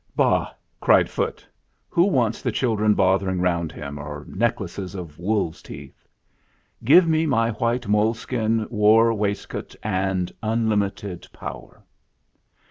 "Bah !" cried Phutt, "who wants the children bothering round him, or necklaces of wolf's 28 teeth ? Give me my white mole skin war waist coat and unlimited power."